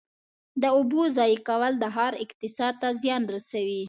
د اوبو ضایع کول د ښار اقتصاد ته زیان رسوي.